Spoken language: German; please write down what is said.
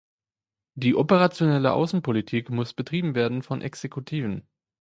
Die operationelle Außenpolitik muss betrieben werden von Exekutiven.